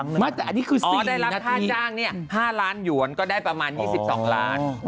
ในท่าหลานอย่างก็ได้ประมาณ๒๒ล้าน